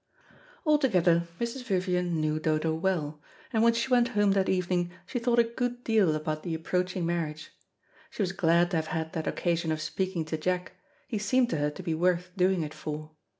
Altogether Mrs. Vivian knew Dodo well, and when she went home that evening, she thought a good deal about the approaching marriage. She was glad to have had that occasion of speaking to Jack, he seemed to her to be worth doing it for.